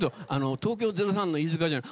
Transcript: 東京０３の飯塚じゃん。